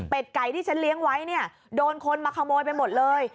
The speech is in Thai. เป็นไก่ที่ฉันเลี้ยงไว้เนี่ยโดนคนมาขโมยไปหมดเลย